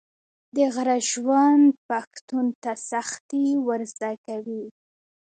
د غره ژوند پښتون ته سختي ور زده کوي.